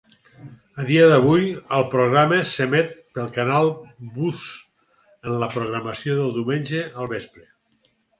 A dia d'avui, el programa s'emet pel canal Buzzr en la programació de diumenge al vespre.